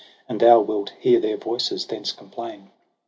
And thou wilt hear their voices thence complain.